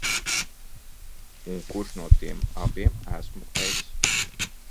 Un kurš no tiem abiem esmu es?